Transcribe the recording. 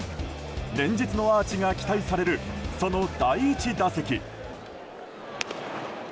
連日のアーチが期待されるその第１打席。